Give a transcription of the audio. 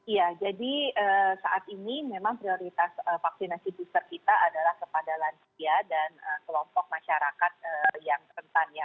ya jadi saat ini memang prioritas vaksinasi booster kita adalah kepada lansia dan kelompok masyarakat yang rentan ya